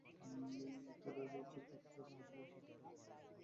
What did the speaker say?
মুক্তির আগে আগে ছবিটির প্রচারের অংশ হিসেবে বর্তমানে ভারতে আছেন ফারিয়া।